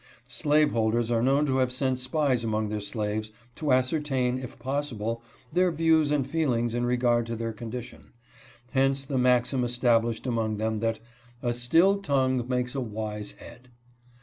Slaveholders are known to have sent spies among their slaves to ascertain, if possible, their views and feelings in regard to their condition ; hence the maxim established among them, that " a still tongue makes a wise head."